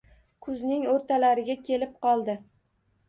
Kuzning oʻrtalariga kelib qoldi.